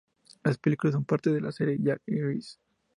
Las películas son parte de la serie Jack Irish.